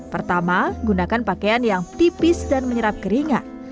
pertama gunakan pakaian yang tipis dan menyerap keringat